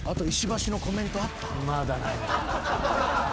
まだない。